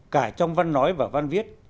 cả trong văn nói và văn viết